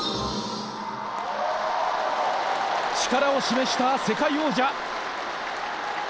力を示した世界王者。